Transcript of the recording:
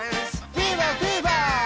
フィーバーフィーバー。